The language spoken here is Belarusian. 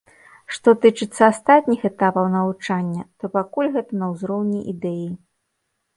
Што тычыцца астатніх этапаў навучання, то пакуль гэта на ўзроўні ідэі.